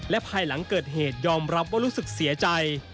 ภายหลังเกิดเหตุยอมรับว่ารู้สึกเสียใจ